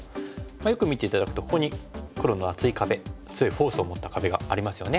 よく見て頂くとここに黒の厚い壁強いフォースを持った壁がありますよね。